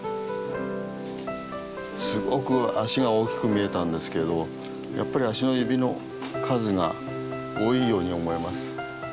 すごく足が大きく見えたんですけどやっぱり足の指の数が多いように思えます。